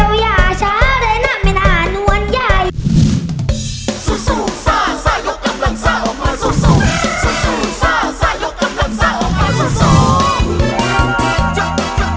โอ้มัธนาก็ได้แม่มา